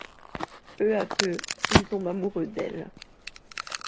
Peu à peu, il tombe amoureux d'elle.